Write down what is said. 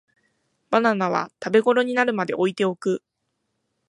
バナナは食べごろになるまで置いておく